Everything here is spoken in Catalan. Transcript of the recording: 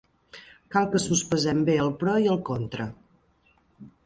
Cal que sospesem bé el pro i el contra.